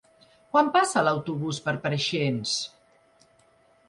Quan passa l'autobús per Preixens?